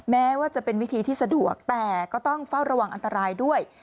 แม้ว่าจะเป็นวิธีที่สะดวกแต่ก็ต้องเฝ้าระวังอันตรายด้วย